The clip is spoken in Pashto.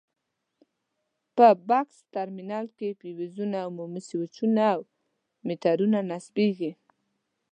په بکس ترمینل کې فیوزونه، عمومي سویچونه او میټرونه نصبېږي.